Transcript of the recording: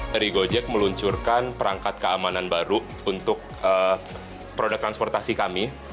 dari gojek meluncurkan perangkat keamanan baru untuk produk transportasi kami